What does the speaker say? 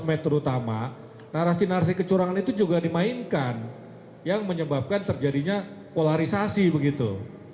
terutama narasi narasi kecurangan itu juga dimainkan yang menyebabkan terjadinya polarisasi begitu